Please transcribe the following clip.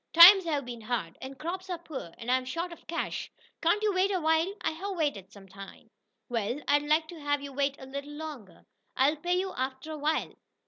Times have been hard, and crops are poor, and I'm short of cash. Can't you wait a while?" "I have waited some time." "Well, I'd like to have you wait a little longer. I'll pay you after a while."